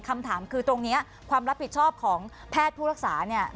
คำถามคือตรงนี้ความรับผิดชอบของแพทย์ผู้รักษาเนี่ย